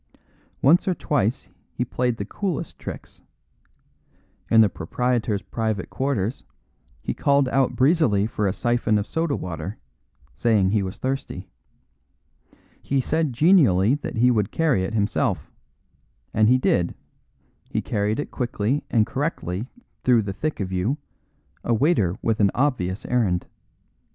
Once or twice he played the coolest tricks. In the proprietor's private quarters he called out breezily for a syphon of soda water, saying he was thirsty. He said genially that he would carry it himself, and he did; he carried it quickly and correctly through the thick of you, a waiter with an obvious errand.